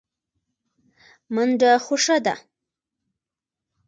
منډه خوښه ده.